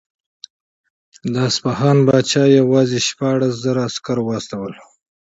د اصفهان پاچا یوازې شپاړس زره عسکر واستول.